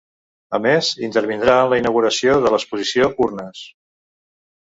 A més, intervindrà en la inauguració de l’exposició Urnes.